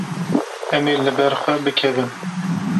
Em ê li ber xwe bikevin.